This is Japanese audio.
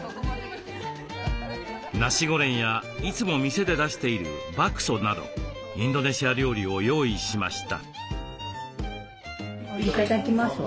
ナシゴレンやいつも店で出しているバクソなどインドネシア料理を用意しました。